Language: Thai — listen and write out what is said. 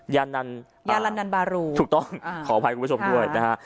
ยานันยาลันนันบารูถูกต้องขออภัยคุณผู้ชมด้วยนะฮะ